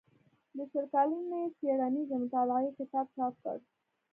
د شل کلنې څيړنيزې مطالعې کتاب چاپ کړ